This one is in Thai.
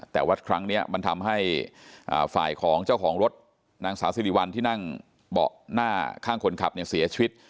แต่ว่าครั้งนี้มันทำให้ฝ่ายของเจ้าของรถนางสาวสิริวัลที่นั่งเบาะหน้าข้างคนขับเนี่ยเสียชีวิต